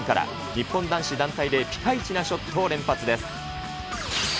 日本男子団体でピカイチなショットを連発です。